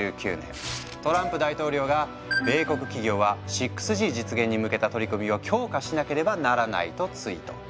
トランプ大統領が「米国企業は６Ｇ実現に向けた取り組みを強化しなければならない」とツイート。